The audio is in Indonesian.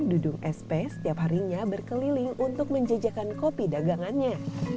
dudung sp setiap harinya berkeliling untuk menjejakan kopi dagangannya